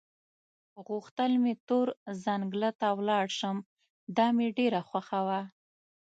غوښتل مې تور ځنګله ته ولاړ شم، دا مې ډېره خوښه وه.